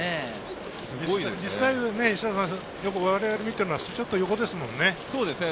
実際、我々が見ているのは、ちょっと横ですよね。